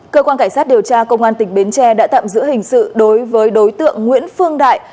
cơ quan cảnh sát điều tra công an tỉnh bến tre đã tạm giữ hình sự đối với đối tượng nguyễn phương đại